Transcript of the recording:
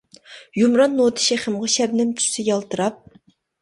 يۇمران نوتا شېخىمغا، شەبنەم چۈشسە يالتىراپ.